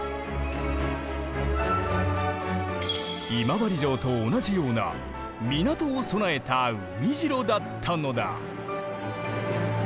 今治城と同じような港を備えた海城だったのだ。